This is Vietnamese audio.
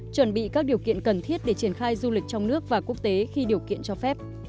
chuẩn bị các điều kiện cần thiết để triển khai du lịch trong nước và quốc tế khi điều kiện cho phép